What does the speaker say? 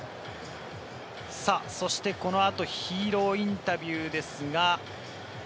そして、このあとヒーロインタビューですが。